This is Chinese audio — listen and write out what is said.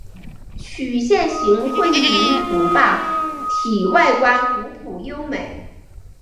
曲线形混凝土坝体外观古朴优美。